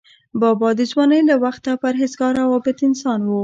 بابا د ځوانۍ له وخته پرهیزګار او عابد انسان و.